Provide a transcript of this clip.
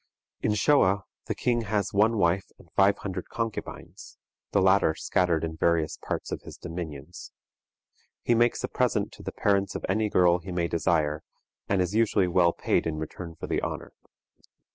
In Shoa the king has one wife and five hundred concubines, the latter scattered in various parts of his dominions. He makes a present to the parents of any girl he may desire, and is usually well paid in return for the honor.